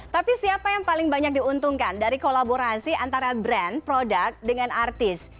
tapi siapa yang paling banyak diuntungkan dari kolaborasi antara brand product dengan artis